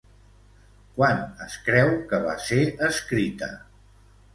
Quan es creu que va ser escrita?